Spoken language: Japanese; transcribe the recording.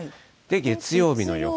月曜日の予報。